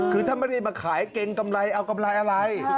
คือถ้าไม่ได้มาขายเกรงกำไรเอากำไรอะไร